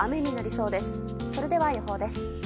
それでは予報です。